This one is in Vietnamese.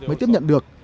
mới tiếp nhận được